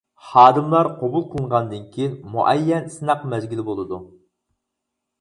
خادىملار قوبۇل قىلىنغاندىن كېيىن، مۇئەييەن سىناق مەزگىلى بولىدۇ.